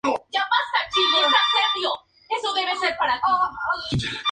La poesía es una regla importante para la literatura Liberiana.